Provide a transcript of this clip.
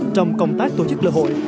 trong công tác tổ chức lễ hội